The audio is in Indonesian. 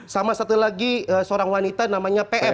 sama satu lagi seorang wanita namanya pm